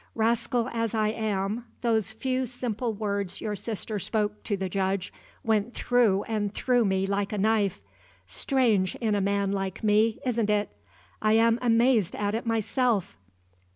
Rascal as I am, those few simple words your sister spoke to the judge went through and through me like a knife. Strange, in a man like me, isn't it? I am amazed at it myself.